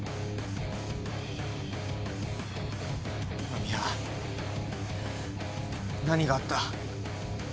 真宮何があった。